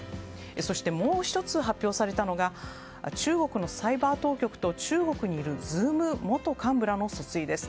そしてもう１つ発表されたのが中国のサイバー当局と中国によるＺｏｏｍ元幹部らの訴追です。